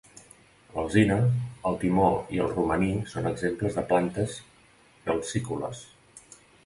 L'alzina, el timó i el romaní són exemples de plantes calcícoles.